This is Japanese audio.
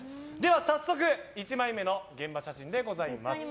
早速１枚目の現場写真でございます。